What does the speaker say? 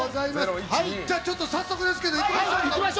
早速ですけど、いきましょう。